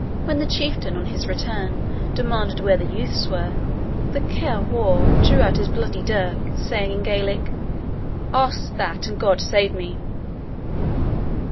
When the chieftain, on his return, demanded where the youths were, the Ciar (pronounced Kiar) Mhor drew out his bloody dirk, saying in Gaelic, "Ask that, and God save me!"